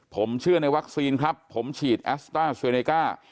ผมเชื่อในวัคซีนครับผมฉีดแอสต้าเซเนก้า